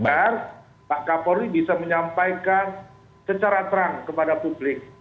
karena pak kapolri bisa menyampaikan secara terang kepada publik